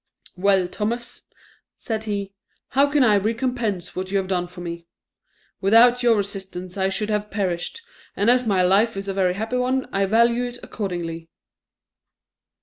"Well, Thomas," said he, "how can I recompense what you have done for me? Without your assistance I should have perished; and as my life is a very happy one, I value it accordingly."